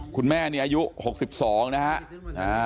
คุณแม่นี่อายุ๖๒นะฮะ